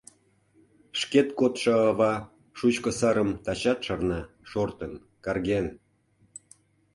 Шкет кодшо ава шучко сарым Тачат шарна шортын, карген.